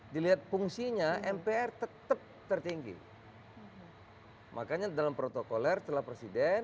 dilihat fungsinya mpr tetep tertinggi makanya dalam protokol r telah presiden